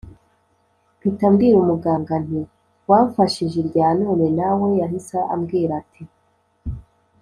Mpita mbwira umuganga nti wamfashije iryanone nawe yahise ambwira ati